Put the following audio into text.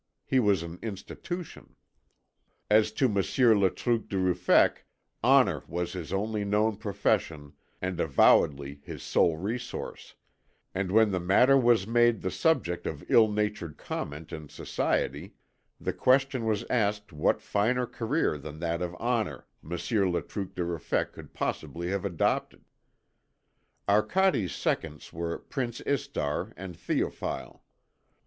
He was an institution. As to Monsieur Le Truc de Ruffec, honour was his only known profession and avowedly his sole resource, and when the matter was made the subject of ill natured comment in Society, the question was asked what finer career than that of honour Monsieur Le Truc de Ruffec could possibly have adopted. Arcade's seconds were Prince Istar and Théophile.